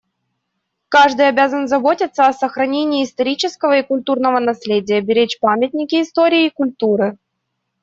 Каждый обязан заботиться о сохранении исторического и культурного наследия, беречь памятники истории и культуры.